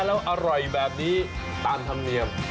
แล้วอร่อยแบบนี้ตามธรรมเนียม